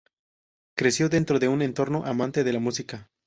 Creció dentro de un entorno amante de la música.